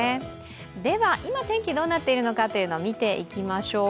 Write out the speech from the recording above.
今、天気どうなっているのか見ていきましょう。